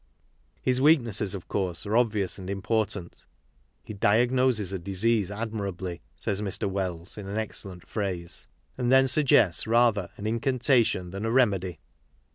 His weaknesses, of course, are obvious and important.! " He diagnoses a disease admirably," says Mr. Wells, in an excellent phrase, " and then suggests rather an! incantation than a remedy."